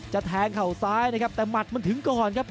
แทงเข่าซ้ายนะครับแต่หมัดมันถึงก่อนครับ